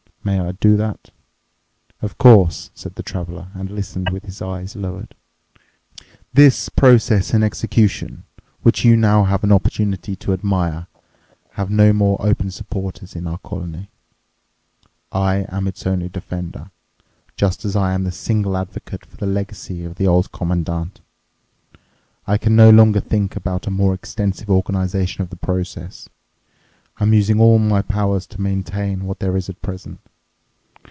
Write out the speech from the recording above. "May I do that?" "Of course," said the Traveler and listened with his eyes lowered. "This process and execution, which you now have an opportunity to admire, have no more open supporters in our colony. I am its only defender, just as I am the single advocate for the legacy of the Old Commandant. I can no longer think about a more extensive organization of the process—I'm using all my powers to maintain what there is at present.